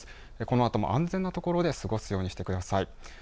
このあとも安全な所で過ごすようにしてください。